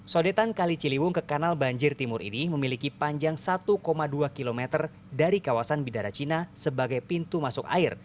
sodetan kali ciliwung ke kanal banjir timur ini memiliki panjang satu dua km dari kawasan bidara cina sebagai pintu masuk air